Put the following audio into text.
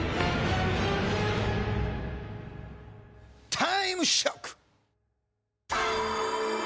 タイムショック！